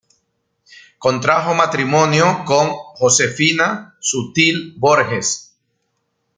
Contrajo matrimonio con Josefina Sutil Borges.